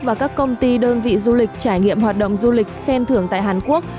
và các công ty đơn vị du lịch trải nghiệm hoạt động du lịch khen thưởng tại hàn quốc